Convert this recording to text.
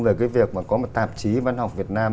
về cái việc mà có một tạp chí văn học việt nam